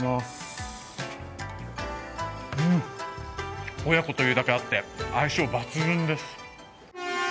うん、親子というだけあって相性抜群です。